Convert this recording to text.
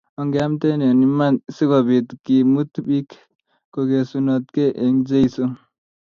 Ongeamte eng iman si kobiit kimut bik kogesutnogei eng Jeso